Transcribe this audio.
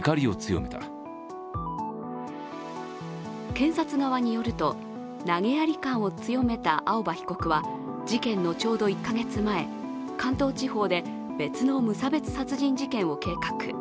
検察側によると、投げやり感を強めた青葉被告は事件のちょうど１か月前、関東地方で別の無差別殺人事件を計画。